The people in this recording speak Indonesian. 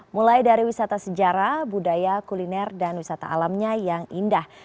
mulai dari wisata sejarah budaya kuliner dan wisata alamnya yang indah